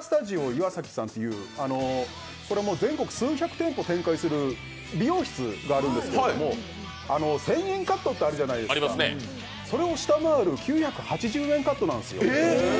スタジオＩＷＡＳＡＫＩさんというこれは全国数百店舗展開する美容室があるんですけど美容室があるんですけれども、１０００円カットってあるじゃないですか、それを下回る９８０円カットなんですよ。